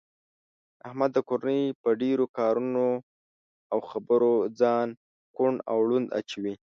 احمد د کورنۍ په ډېرو کارونو او خبرو ځان کوڼ او ړوند اچوي.